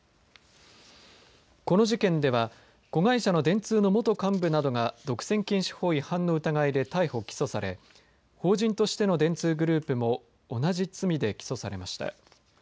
この事件では子会社の電通の元幹部などが独占禁止法違反の疑いで逮捕、起訴され法人としての電通グループも同じ罪で起訴されました。